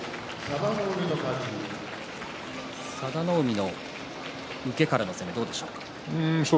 佐田の海の受けからの攻めどうですか。